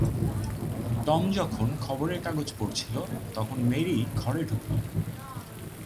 Tom যখন খবরের কাগজ পড়ছিল তখন মেরি ঘরে ঢুকল।